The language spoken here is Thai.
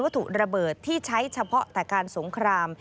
ร่วมกันมีวัตถุระเบิดที่ใช้เฉพาะแต่การสงคราม